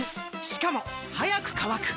しかも速く乾く！